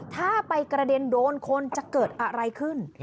ถ้าไปกระเด็นโดนคนจะเกิดอะไรขึ้น